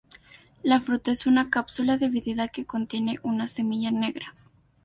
La fruta es una cápsula dividida que contiene una semilla negra.